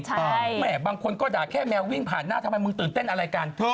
ใช่แม่บางคนก็ด่าแค่แมววิ่งผ่านหน้าทำไมมึงตื่นเต้นอะไรกัน